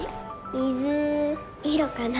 水色かな。